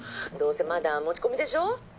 どうせまだ持ち込みでしょ？